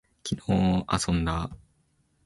昨日遊んだ